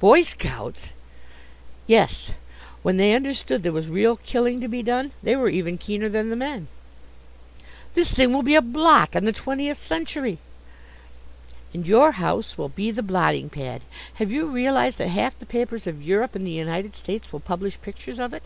"Boy scouts!" "Yes; when they understood there was real killing to be done they were even keener than the men." "This thing will be a blot on the Twentieth Century!" "And your house will be the blotting pad. Have you realized that half the papers of Europe and the United States will publish pictures of it?